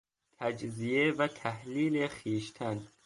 تجزیه و تحلیل خویشتن